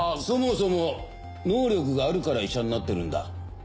そもそも能力があるから医者になってるんだ。